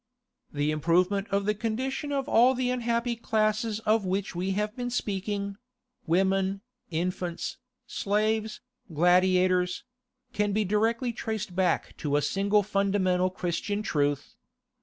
The improvement of the condition of all the unhappy classes of which we have been speaking—women, infants, slaves, gladiators—can be directly traced back to a single fundamental Christian truth.